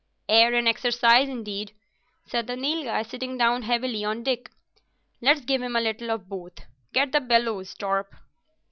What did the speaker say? "Air and exercise indeed," said the Nilghai, sitting down heavily on Dick. "Let's give him a little of both. Get the bellows, Torp."